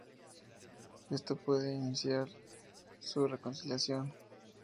Esto puede indicar su reconciliación.